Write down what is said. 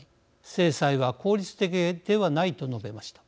制裁は効率的ではないと述べました。